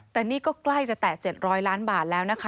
แต่นี่ก็ใกล้จะแตะ๗๐๐ล้านบาทแล้วนะคะ